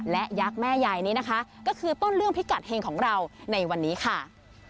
และยักษ์แม่ยายนี้นะคะก็คือต้นเรื่องพิกัดเฮงของเราในวันนี้ค่ะ